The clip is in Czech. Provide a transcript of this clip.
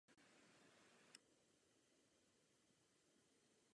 V minulém roce zavedla Komise řadu kvalitativně nových iniciativ.